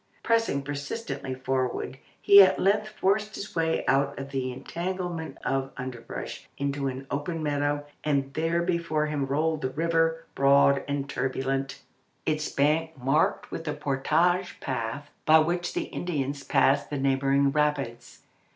Pressing persistently forward, he at length forced his way out of the entanglement of underbrush into an open meadow, and there before him rolled the river, broad and turbulent, its bank marked with the portage path by which the Indians passed the neighbouring rapids.